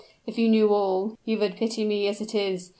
if you knew all, you would pity me as it is.